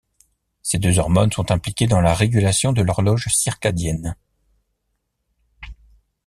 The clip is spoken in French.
Ces deux hormones sont impliquées dans la régulation de l’horloge circadienne.